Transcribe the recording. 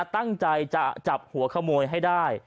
ตั้งใจจะจับหัวขโมยให้ได้